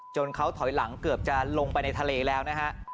เขาถอยหลังเกือบจะลงไปในทะเลแล้วนะฮะ